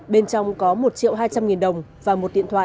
bên trong có một triệu hai trăm linh nghìn đồng và một điện thoại